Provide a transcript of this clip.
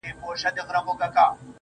• كه څه هم په دار وځړوو.